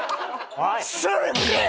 おい！